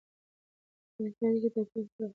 تاریخي اړیکه د پوهې د پراخولو لامل کیږي.